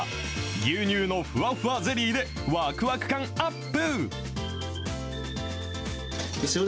牛乳のふわふわゼリーでわくわく感アップ。